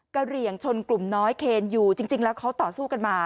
กะเหรียงชนกลุ่มน้อยเขนอยู่จริงจริงแล้วเค้าต่อสู้กันมา